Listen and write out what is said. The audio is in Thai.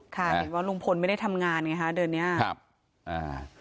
ค่ะเห็นว่าลุงพลไม่ได้ทำงานไงฮะเดือนเนี้ยครับอ่า